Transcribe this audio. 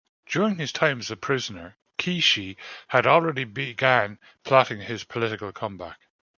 During his time as a prisoner, Kishi had already began plotting his political comeback.